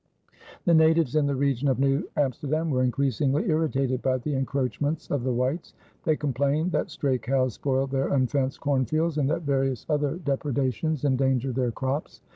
The natives in the region of New Amsterdam were increasingly irritated by the encroachments of the whites. They complained that stray cows spoiled their unfenced cornfields and that various other depredations endangered their crops.